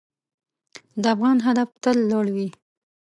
د افغان هدف تل لوړ وي.